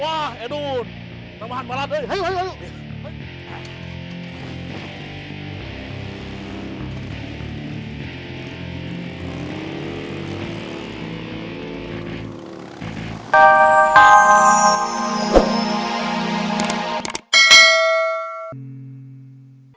wah edun tambahan malat aja hayuk hayuk